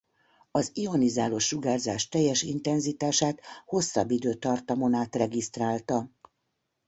Az ionizáló sugárzás teljes intenzitását hosszabb időtartamon át regisztrálta.